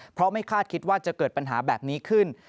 เพราะไม่คาดคิดว่าจะเกิดปัญหาแบบนี้ขึ้น